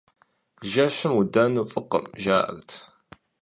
Жэщым удэну фӀыкъым, жаӀэрт.